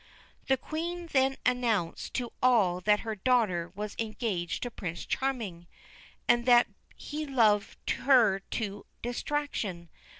The Queen then announced to all that her daughter was engaged to Prince Charming, and that he loved her to distraction.